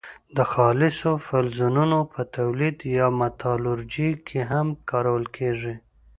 د خالصو فلزونو په تولید یا متالورجي کې هم کارول کیږي.